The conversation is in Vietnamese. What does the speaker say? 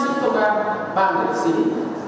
trong khi đó gia đình và luật sư đồng